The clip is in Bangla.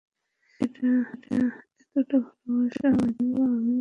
এতোটা ভালোবাসা হয়তোবা আমিও করতে পারি নি।